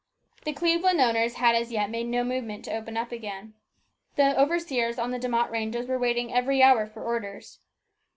The Cleveland owners had as yet made no movement to open up again. The overseers on the De Mott ranges were waiting every hour for orders.